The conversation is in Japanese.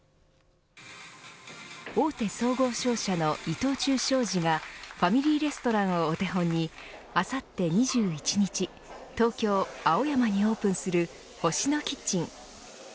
大手総合商社の伊藤忠商事がファミリーレストランをお手本にあさって２１日東京、青山にオープンする星のキッチン。